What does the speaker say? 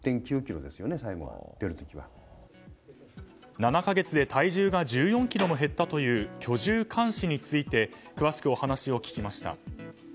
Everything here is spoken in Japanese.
７か月で体重が１４ｋｇも減ったという居住監視について詳しくお話を聞きました。